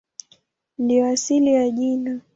Ndiyo asili ya jina.